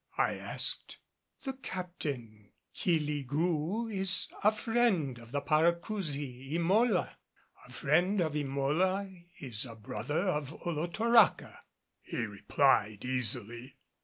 I asked. "The Captain Keel ee gru is a friend of the Paracousi Emola. A friend of Emola is a brother of Olotoraca," he replied easily.